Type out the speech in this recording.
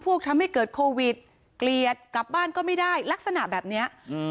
ทำให้เกิดโควิดเกลียดกลับบ้านก็ไม่ได้ลักษณะแบบเนี้ยอืม